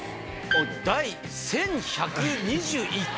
「第１１２１回」？